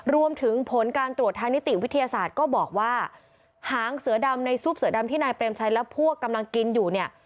รวมถึงผลการตรวจทางนิติวิทยาศาสตร์ก็บอกว่าหางเสือดำในซุปเสือดำที่นายเปรมชัยและพวกกำลังกินอยู่เนี่ย